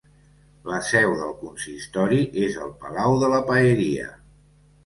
La seu del consistori és el Palau de la Paeria.